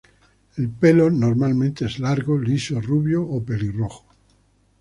El pelo normalmente es largo, liso, rubio o pelirrojo.